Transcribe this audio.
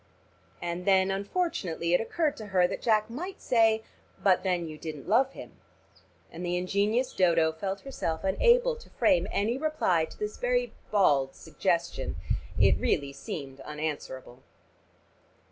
And then unfortunately it occurred to her that Jack might say "But then you didn't love him." And the ingenious Dodo felt herself unable to frame any reply to this very bald suggestion. It really seemed unanswerable.